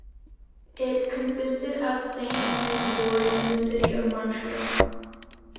It consisted of Saint Mary's ward in the city of Montreal.